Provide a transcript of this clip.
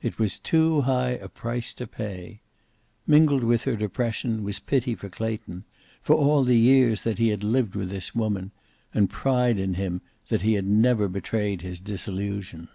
It was too high a price to pay. Mingled with her depression was pity for Clayton; for all the years that he had lived with this woman: and pride in him, that he had never betrayed his disillusion.